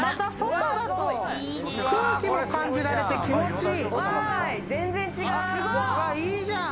空気も感じられて気持ちいい。